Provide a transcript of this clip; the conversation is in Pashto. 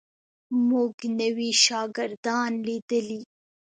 موږ نوي شاګردان لیدلي.